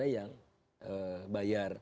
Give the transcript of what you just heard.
negara yang bayar